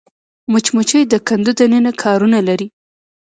مچمچۍ د کندو دننه کارونه لري